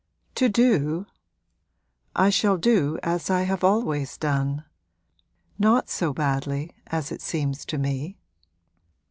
'To do? I shall do as I have always done not so badly, as it seems to me.'